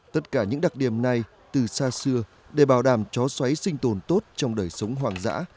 tất cả những đặc điểm này từ xa xưa để bảo đảm chó xoáy tồn tốt trong đời sống hoàng dã